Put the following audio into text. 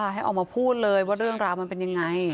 ให้ออกมาพูดเลยว่าเรื่องราวมันเป็นยังไง